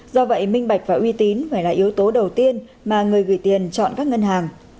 do vậy minh bạch và uy tín phải là yếu tố đầu tiên mà người gửi tiền chọn các ngân hàng